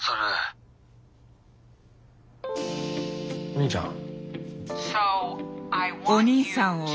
お兄ちゃん？